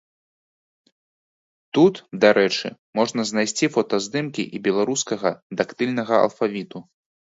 Тут, дарэчы, можна знайсці фотаздымкі і беларускага дактыльнага алфавіту.